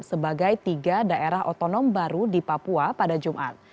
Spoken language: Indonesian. sebagai tiga daerah otonom baru di papua pada jumat